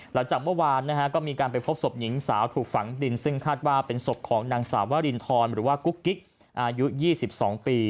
หลังจากเมื่อวานก็มีการไปพบศพหญิงสาวถูกฝังดินซึ่งคาดว่าเป็นศพของนางสาววรินทรหรือว่ากุ๊กกิ๊กอายุ๒๒ปี